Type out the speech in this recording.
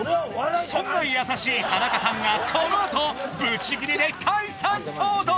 そんな優しい田中さんがこのあとブチギレで解散騒動